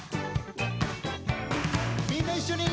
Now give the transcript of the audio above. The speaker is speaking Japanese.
みんな一緒に！